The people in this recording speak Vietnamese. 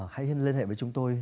hãy liên hệ với chúng tôi